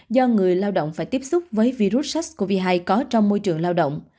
do người lao động phải tiếp xúc với virus sars cov hai có trong môi trường lao động